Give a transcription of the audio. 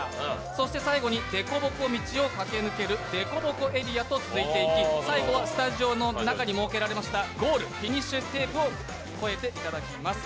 そして最後にでこぼこ道を駆け抜けるでこぼこエリアと続いていき、最後はスタジオの中に設けられましたゴール、フィニッシュテープを越えていただきます。